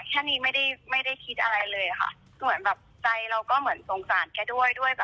แค่นี้ไม่ได้คิดอะไรเลยค่ะเหมือนใจเราก็เหมือนสงสารแกด้วย